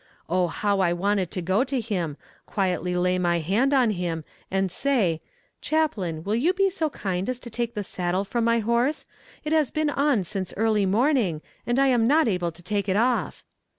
Oh how I wanted to go to him, quietly lay my hand on him, and say: "Chaplain, will you be so kind as to take the saddle from my horse; it has been on since early morning, and I am not able to take it off."